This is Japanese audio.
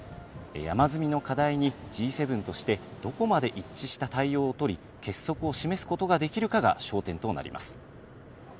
山積みの課題にＧ７として、どこまで一致した対応を取り、結束を示すことができるかが焦点となります。